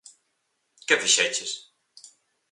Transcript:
Que fixeches?